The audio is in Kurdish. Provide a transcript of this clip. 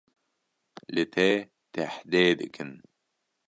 li te tehdê dikin